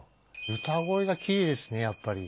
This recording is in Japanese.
歌声がきれいですね、やっぱり。